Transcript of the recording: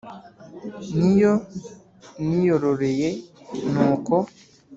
N' iyo niyorororeye ni uko